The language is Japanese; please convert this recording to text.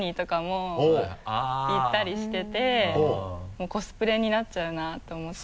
もうコスプレになっちゃうなと思って。